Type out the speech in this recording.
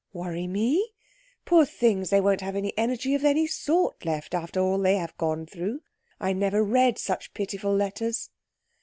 "Worry me? Poor things, they won't have any energy of any sort left after all they have gone through. I never read such pitiful letters."